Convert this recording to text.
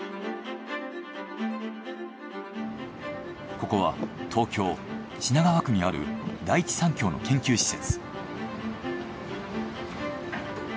ここは東京品川区にある第一三共の研究施設。